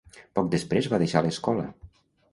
Poc després va deixar l'escola.